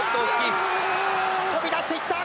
飛び出していった。